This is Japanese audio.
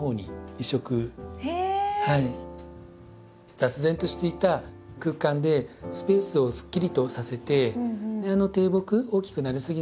雑然としていた空間でスペースをすっきりとさせて低木大きくなりすぎないものを中心に植栽しました。